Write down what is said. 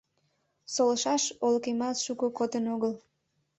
Солышаш олыкемат шуко кодын огыл, -